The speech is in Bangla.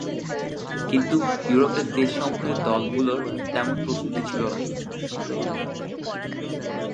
কিন্তু ইউরোপের দেশসমূহের দলগুলোর তেমন প্রস্তুতি ছিল না।